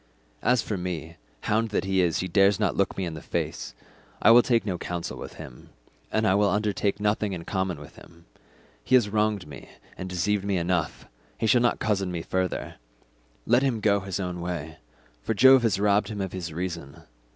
"As for me, hound that he is, he dares not look me in the face. I will take no counsel with him, and will undertake nothing in common with him. He has wronged me and deceived me enough, he shall not cozen me further; let him go his own way, for Jove has robbed him of his reason.